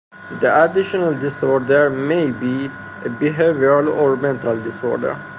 The additional disorder may be a behavioral or mental disorder.